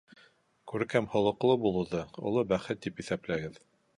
Күркәм холоҡло булыуҙы оло бәхет тип иҫәпләгеҙ.